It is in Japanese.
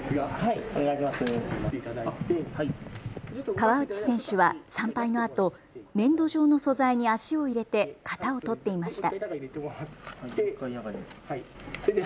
川内選手は参拝のあと粘土状の素材に足を入れて型を取っていました。